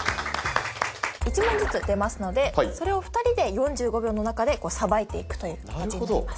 １問ずつ出ますのでそれを２人で４５秒のなかでさばいていくというかたちになります。